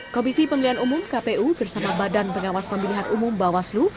komisi pemilihan umum kpu bersama badan pengawas pemilihan umum bawaslu